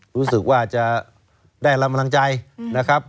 รู้สึกว่าจะได้รับกำลังใจนะครับ